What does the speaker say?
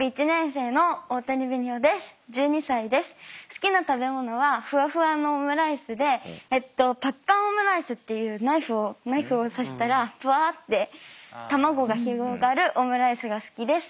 好きな食べ物はふわふわのオムライスでパッカンオムライスっていうナイフをナイフを刺したらふわって卵が広がるオムライスが好きです。